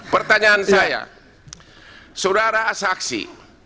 pertanyaan saya saudara saksi